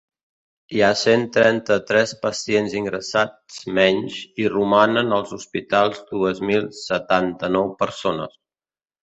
Hi ha cent trenta-tres pacients ingressats menys, i romanen als hospitals dues mil setanta-nou persones.